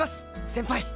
先輩。